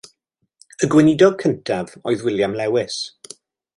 Y gweinidog cyntaf oedd William Lewis.